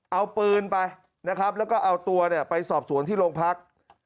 เอาปืนไปนะครับแล้วก็เอาตัวเนี่ยไปสอบสวนที่โรงพัก